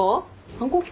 反抗期か？